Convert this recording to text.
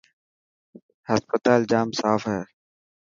هسپتال ڄام صاف هي.